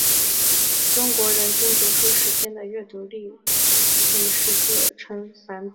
但是中国的人均读书时间的阅读率却与识字率呈反比。